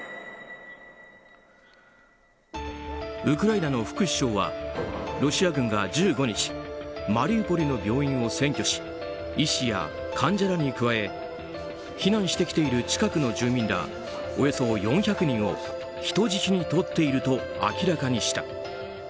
ウクライナの副首相はロシア軍が１５日マリウポリの病院を占拠し医師や患者らに加え避難してきている近くの住民らおよそ４００人を人質に取っていると明らかにした。